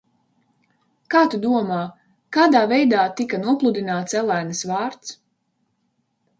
Kā tu domā, kādā veidā tika nopludināts Elēnas vārds?